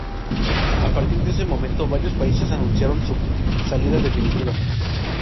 A partir de ese momento varios países anunciaron su salida definitiva.